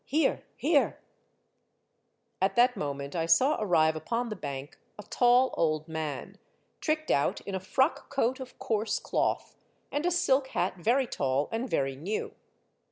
" Here ! here !" At that moment I saw arrive upon the bank a tall old man, tricked out in a frock coat of coarse cloth, and a silk hat very tall and very new.